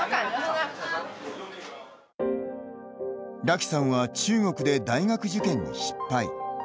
ラキさんは中国で大学受験に失敗。